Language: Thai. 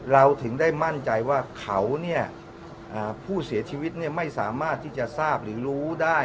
เราถึงได้มั่นใจว่าเขาเนี่ยผู้เสียชีวิตไม่สามารถที่จะทราบหรือรู้ได้